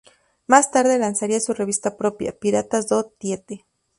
Más tarde lanzaría su revista propia, "Piratas do Tietê".